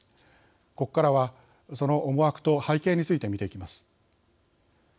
ここからはその思惑と背景について見ていきます。